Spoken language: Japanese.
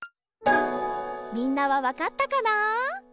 みんなはわかったかな？